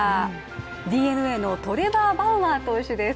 ＤｅＮＡのトレバー・バウアー投手です。